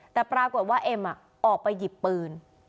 แต่ปรากฏว่าเอ็มออกไปหยิบปืน